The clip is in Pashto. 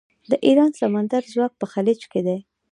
د ایران سمندري ځواک په خلیج کې دی.